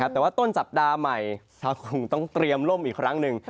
แต่ว่าต้นสัปดาห์ใหม่ชาวกรุงต้องเตรียมล่มอีกครั้งหนึ่ง